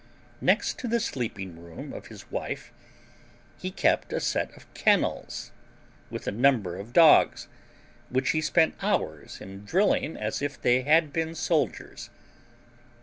Next to the sleeping room of his wife he kept a set of kennels, with a number of dogs, which he spent hours in drilling as if they had been soldiers.